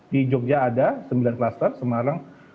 di jogja ada sembilan kluster